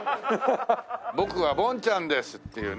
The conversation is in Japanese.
僕はボンちゃんですっていうね。